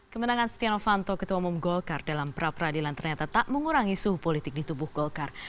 kemenangan stiano fanto ketua umum golkar dalam perapradilan ternyata tak mengurangi suhu politik di tubuh golkar